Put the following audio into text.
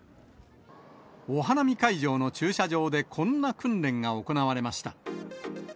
お花見会場の駐車場で、こんな訓練が行われました。